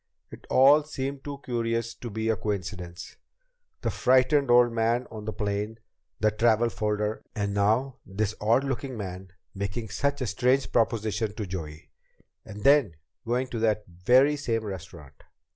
It all seemed too curious to be a coincidence. The frightened old man on the plane the travel folder and now this odd looking man making such a strange proposition to Joey and then going to that very same restaurant!